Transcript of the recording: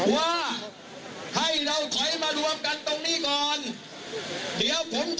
ว่าให้เราถอยมารวมกันตรงนี้ก่อน